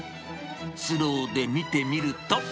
スローで見てみると。